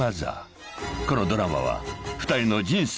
［このドラマは２人の人生